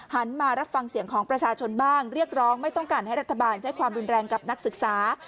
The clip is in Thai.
มารับฟังเสียงของประชาชนบ้างเรียกร้องไม่ต้องการให้รัฐบาลใช้ความรุนแรงกับนักศึกษา